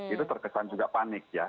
itu terkesan juga panik ya